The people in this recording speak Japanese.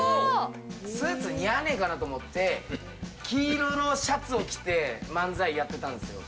スーツ、似合わねえかなと思って、黄色のシャツを着て、漫才やってたんですよ。